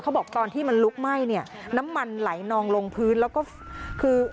บอกตอนที่มันลุกไหม้เนี่ยน้ำมันไหลนองลงพื้นแล้วก็คือ